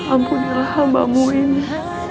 ampunilah hambamu ini